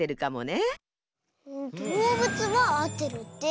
どうぶつはあってるって。